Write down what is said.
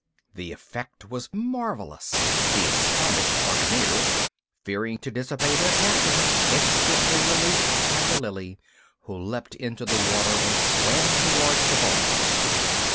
The effect was marvellous: the astonished buccaneers, fearing to disobey their Captain, instantly released Tiger Lily, who leapt into the water and swam towards the boys.